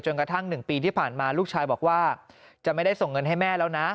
กระทั่ง๑ปีที่ผ่านมาลูกชายบอกว่าจะไม่ได้ส่งเงินให้แม่แล้วนะ